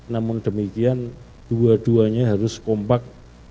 namun demikian dua duanya harus kompak